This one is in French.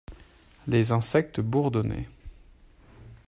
Les insectes bourdonnaient.